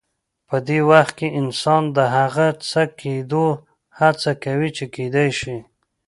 په دې وخت کې انسان د هغه څه کېدو هڅه کوي چې کېدای شي.